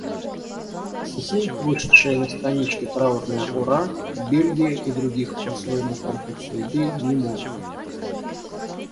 Стихи, вышедшие на страничке «Траурное ура», «Бельгия» и других по своему комплексу идей немолоды.